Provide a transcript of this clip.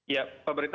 ya pak berita